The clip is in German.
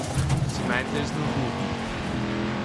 Sie meint es nur gut.